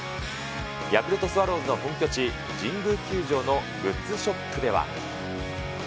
ヤクルトスワローズの本拠地、神宮球場のグッズショップでは。